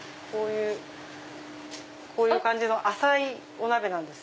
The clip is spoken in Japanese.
こういう感じの浅いお鍋です。